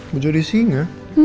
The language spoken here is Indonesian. mau jadi singa